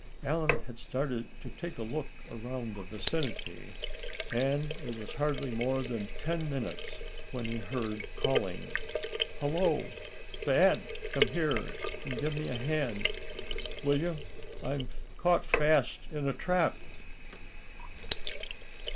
Allan had started to take a look around the vicinity, and it was hardly more than ten minutes when he was heard calling: "Hello! Thad, come here, and give me a hand, will you? I'm caught fast in a trap!"